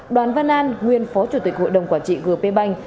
đoàn văn an nguyên phó chủ tịch hội đồng quản trị g p banh